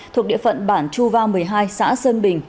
thuộc địa phận bản chu va một mươi hai xã sơn bình